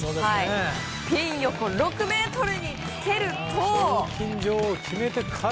ピン横６ｍにつけると。